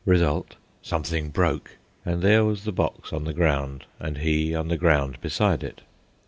Result: "something broke," and there was the box on the ground, and he on the ground beside it.